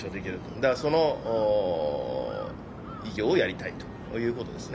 だから、その偉業をやりたいということですね。